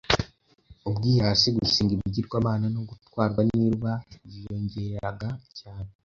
Ubwirasi, gusenga ibigirwamana no gutwarwa n’iruba byiyongeraga cyane